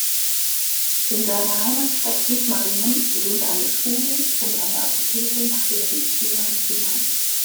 In seiner Heimatstadt Sigmaringen sind eine Schule und eine Apotheke nach dem Mediziner benannt.